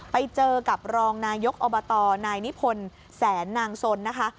ไปเจอกับรองนายกอบตนายนิพนธ์แสนนางสนนะคะ